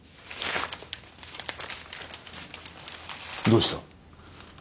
どうした？